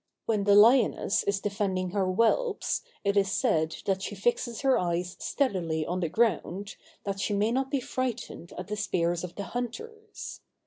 When the lioness is defending her whelps, it is said that she fixes her eyes steadily on the ground, that she may not be frightened at the spears of the hunters.